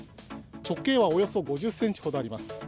直径はおよそ５０センチほどあります。